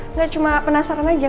nggak cuma penasaran aja